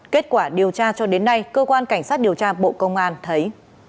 kết quả điều tra cho đến nay cơ quan cảnh sát điều tra bộ công an thấy